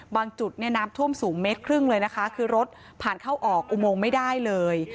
บางจุดน้ำท่วมสูง๑๕เมตรเลยนะคะคือรถผ่านเข้าออกอุโมงไม่ได้เลย